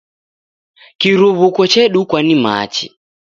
Kiruw'uko chedukwa ni machi.